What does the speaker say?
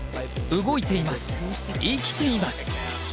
動いています、生きています！